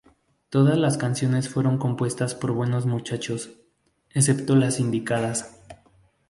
Todas las canciones fueron compuestas por Buenos Muchachos, excepto las indicadas.